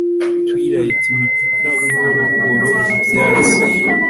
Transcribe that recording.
Twilight imipaka buhoro buhoro ku byatsi